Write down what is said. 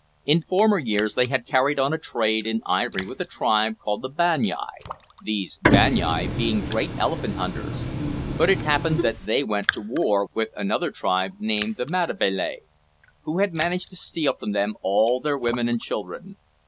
In former years they had carried on a trade in ivory with a tribe called the Banyai, these Banyai being great elephant hunters, but it happened that they went to war with another tribe named the Matabele, who had managed to steal from them all their women and children.